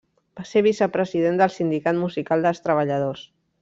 Va ser vicepresident del Sindicat Musical dels Treballadors.